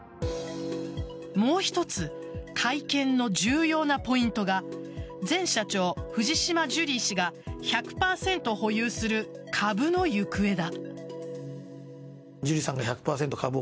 もう一つ会見の重要なポイントが前社長・藤島ジュリー氏が１００％保有する株の行方だ。